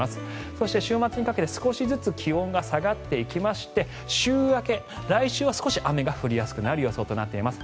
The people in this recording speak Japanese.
そして、週末にかけて少しずつ気温が下がっていきまして週明け、来週は少し雨が降りやすい予想となっています。